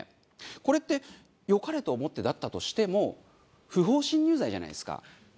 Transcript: これって「良かれと思って」だったとしても不法侵入罪じゃないですか。